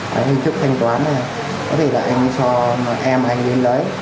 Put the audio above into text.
hình thức thanh toán này có thể là anh cho em anh đến lấy